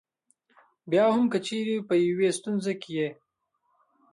بیا هم که چېرې په یوې ستونزه کې یې.